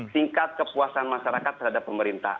tingkat kepuasan masyarakat terhadap pemerintah